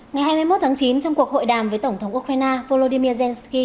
ngày hai mươi một tháng chín trong cuộc hội đàm với tổng thống ukraine volodymyr zelensky